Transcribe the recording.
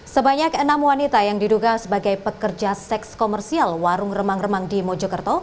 sebanyak enam wanita yang diduga sebagai pekerja seks komersial warung remang remang di mojokerto